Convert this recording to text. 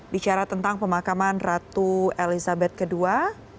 bicara tentang pemakaman ratu elizabeth ii